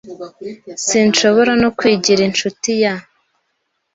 Sinshobora no kwigira inshuti ya .